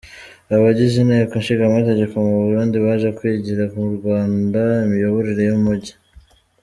Abagize Inteko Ishingamategeko mu Burundi baje kwigira ku Rawanda imiyoborere y’Umujyi